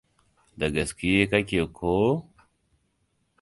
Da gaskiye kake, ko?